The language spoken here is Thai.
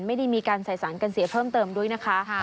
ไม่ได้มีการใส่สารกันเสียเพิ่มเติมด้วยนะคะ